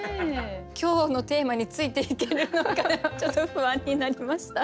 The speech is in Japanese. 今日のテーマについていけるのかちょっと不安になりました。